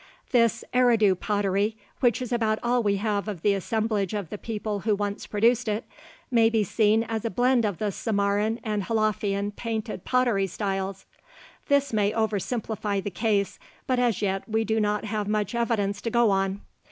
This "Eridu" pottery, which is about all we have of the assemblage of the people who once produced it, may be seen as a blend of the Samarran and Halafian painted pottery styles. This may over simplify the case, but as yet we do not have much evidence to go on.